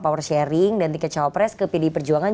power sharing dan tiket cawapres ke pdi perjuangan